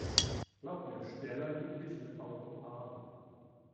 Glaub mir, Stella liebt dich mit Haut und Haaren.